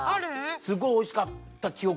すごいおいしかった記憶がある。